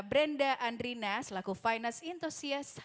brenda andrina selaku finance entusias